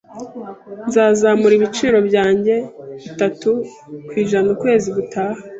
Nzazamura ibiciro byanjye bitatu ku ijana ukwezi gutaha